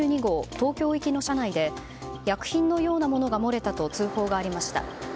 東京行きの車内で薬品のようなものが漏れたと通報がありました。